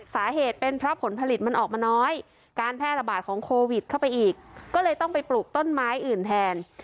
สาเหตุเป็นเพราะผลผลิตมันออกมาน้อยการแพร่ระบาดของโควิดเข้าไปอีกก็เลยต้องไปปลูกต้นไม้อื่นแทน